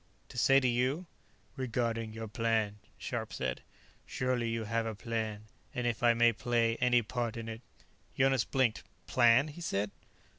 "To say to you?" "Regarding your plan," Scharpe said. "Surely you have a plan. And if I may play any part in it " Jonas blinked. "Plan?" he said.